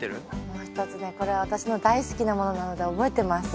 これは私の大好きなものなので覚えてます。